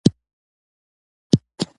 پړانګ قوي غاښونه لري.